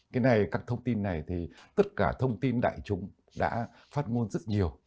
cái này các thông tin này thì tất cả thông tin đại chúng đã phát ngôn rất nhiều